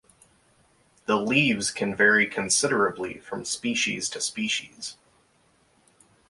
The leaves can vary considerably from species to species.